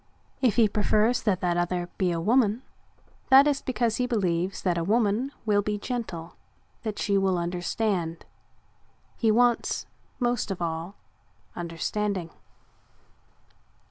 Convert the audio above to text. If he prefers that the other be a woman, that is because he believes that a woman will be gentle, that she will understand. He wants, most of all, understanding.